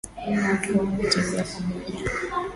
Wao hutembea pamoja